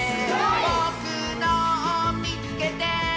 「ぼくのをみつけて！」